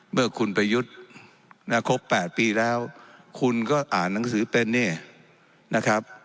เมื่อคุณประยุทธ์ครบ๘ปีแล้วคุณก็อ่านหนังสือเป็นเนี่ยนะครับ